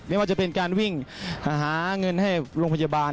ไม่ว่าจะเป็นการวิ่งหาเงินให้โรงพยาบาล